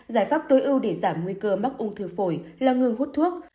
giải pháp tối ưu để giảm nguy cơ mắc ung thư phổi là ngừng hút thuốc